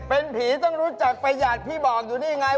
เป็นผีต้องรู้จักประหยัดพี่บอกอยู่นี่ไง